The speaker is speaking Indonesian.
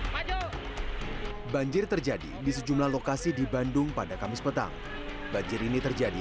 hai woi maju banjir terjadi di sejumlah lokasi di bandung pada kamis petang banjir ini terjadi